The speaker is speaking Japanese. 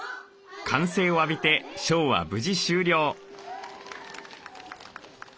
歓声を浴びてショーは無事終了。